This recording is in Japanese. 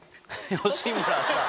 吉村さん。